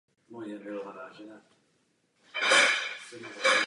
O těchto katastrofách nejednáme poprvé.